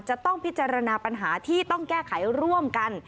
จะต้องพิจารณาปัญหาที่ต้องแก้ไขร่วมกัน